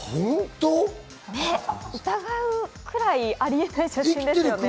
疑うくらいありえないですよね。